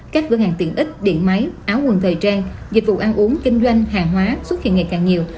các cửa hàng tiện ích điện máy áo quần thời trang dịch vụ ăn uống kinh doanh hàng hóa xuất hiện ngày càng nhiều